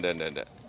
nggak enggak enggak